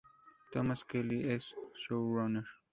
Thomas Kelly es showrunner.